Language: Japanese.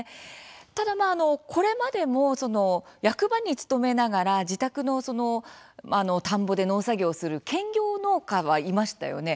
ただ、これまでも役場に勤めながら自宅の田んぼで農作業をする兼業農家はいましたよね。